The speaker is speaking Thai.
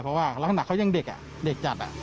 เพราะว่าหลังจากเขายังเด็กอ่ะเด็กจัดอ่ะ